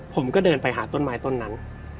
ผมก็เดินไปหาต้นไม้ต้นนั้น